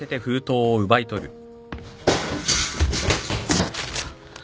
・ちょっと。